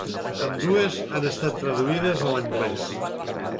Ambdues han estat traduïdes a l'anglès.